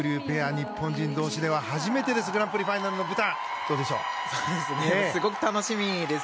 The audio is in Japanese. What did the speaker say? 日本人同士では初めてとなるグランプリファイナルの舞台です。